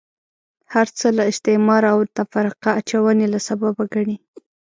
هرڅه له استعماره او تفرقه اچونې له سببه ګڼي.